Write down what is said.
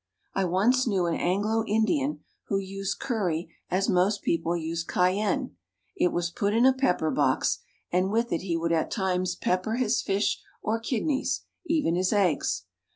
I once knew an Anglo Indian who used curry as most people use cayenne; it was put in a pepper box, and with it he would at times pepper his fish or kidneys, even his eggs.